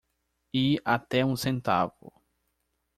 E até um centavo.